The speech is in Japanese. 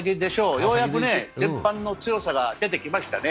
ようやくテッパンの強さが出てきましたね。